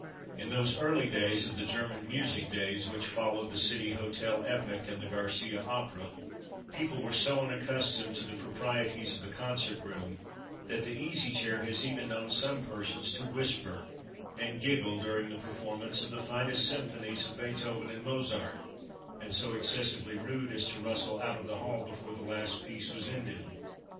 In those early days of the German music days which followed the City Hotel epoch and the Garcia opera people were so unaccustomed to the proprieties of the concert room that the Easy Chair has even known some persons to whisper and giggle during the performance of the finest symphonies of Beethoven and Mozart, and so excessively rude as to rustle out of the hall before the last piece was ended.